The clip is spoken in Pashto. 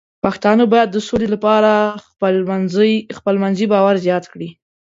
پښتانه بايد د سولې لپاره خپلمنځي باور زیات کړي.